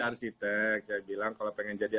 arsitek saya bilang kalau pengen jadi